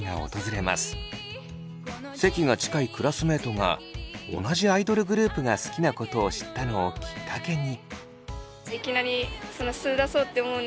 席が近いクラスメートが同じアイドルグループが好きなことを知ったのをきっかけに。